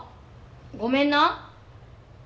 ごめんな。